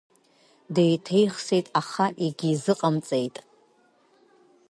Деиҭеихсит, аха егьизыҟамҵеит.